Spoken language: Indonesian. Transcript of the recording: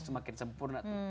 makin sempurna tuh